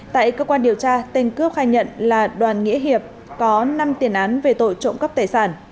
tại cơ quan điều tra tên cướp khai nhận là đoàn nghĩa hiệp có năm tiền án về tội trộm cắp tài sản